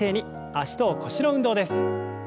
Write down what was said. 脚と腰の運動です。